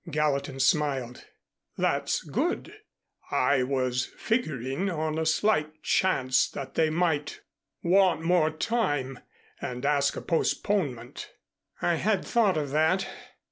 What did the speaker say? Gallatin smiled. "That's good. I was figuring on a slight chance that they might want more time, and ask a postponement." "I had thought of that."